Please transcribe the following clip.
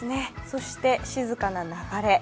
そして静かな流れ。